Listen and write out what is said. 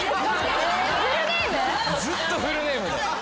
ずっとフルネームで。